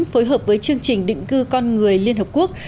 phối hợp với chương trình định cư con người liên hợp quốc